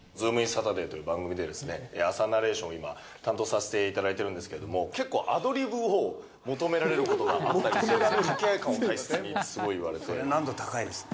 サタデーという番組で、朝ナレーションを担当させていただいてるんですけれども、結構、アドリブを求められることがあったりするんですよ。